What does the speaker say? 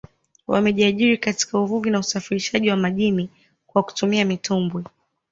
Wamejiajiri katika uvuvi na usafirishaji wa majini kwa kutumia mitumbwi